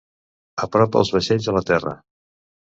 Apropa els vaixells a la terra.